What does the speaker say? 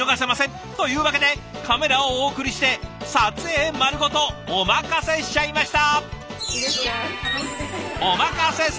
というわけでカメラをお送りして撮影丸ごとお任せしちゃいました。